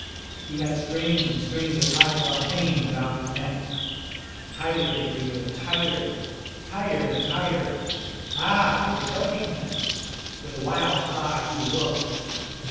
He had strings and strings of hai quai hanging about his neck. Tighter they grew and tighter, tighter and tighter. Ah! they were choking him. With a wild cry, he awoke.